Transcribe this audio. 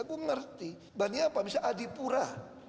aku ngerti bani apa misalnya adipura